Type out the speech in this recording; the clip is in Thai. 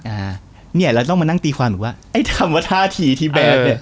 อ่าเนี่ยเราต้องมานั่งตีความอีกว่าไอ้คำว่าท่าทีที่แบดเนี่ย